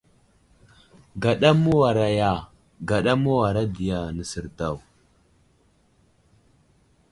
Gaɗa mə́wara ya, gaɗa mə́wara ɗiya nəsər daw.